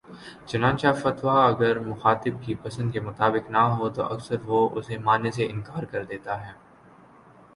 چنانچہ فتویٰ اگر مخاطب کی پسند کے مطابق نہ ہو تو اکثر وہ اسے ماننے سے انکار کر دیتا ہے